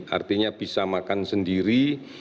artinya bisa makan sendiri